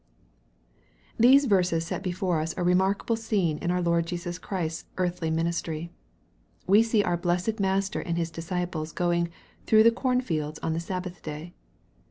THESE verses set before us a remarkable scene in our Lord Jesus Christ's earthly ministry. "We see our blessed Master and His disciples going " through the corn fields on the Sabbath day."